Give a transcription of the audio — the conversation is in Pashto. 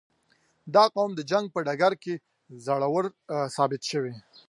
• دا قوم د جنګ په ډګر کې زړور ثابت شوی.